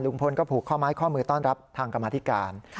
พลก็ผูกข้อไม้ข้อมือต้อนรับทางกรรมธิการ